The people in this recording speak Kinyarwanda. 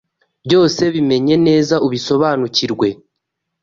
Byose bimenye neza ubisobanukirwe